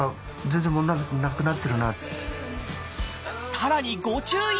さらにご注意！